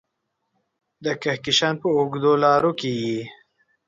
د کهکشان په اوږدو لارو کې یې